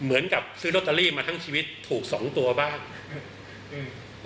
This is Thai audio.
เหมือนกับซื้อโรตเตอรี่มาทั้งชีวิตถูกสองตัวบ้างอืม